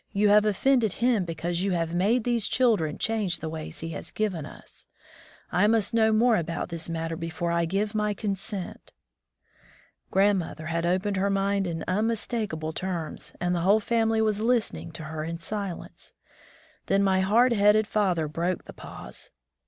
You have oflFended Him, because you have made these children change the ways he has given us. I must know more about this matter before I give my consent. *' Grandmother had opened her mind in unmistakable terms, and the whole family was listening to her in silence. Then my hard headed father broke the pause.